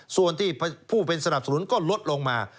ส่วนที่ผู้เป็นสนับสนุนก็ลดลงมา